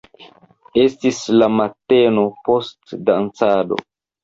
Estis la mateno post dancado.